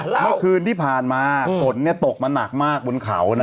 เมื่อคืนที่ผ่านมาฝนตกมาหนักมากบนเขานะ